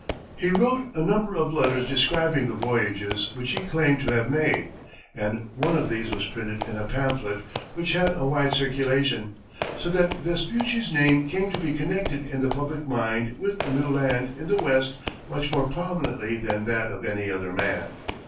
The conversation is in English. He wrote a number of letters describing the voyages which he claimed to have made, and one of these was printed in a pamphlet which had a wide circulation, so that Vespucci's name came to be connected in the public mind with the new land in the west much more prominently than that of any other man.